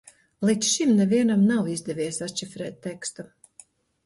Līdz šim nevienam nav izdevies atšifrēt tekstu.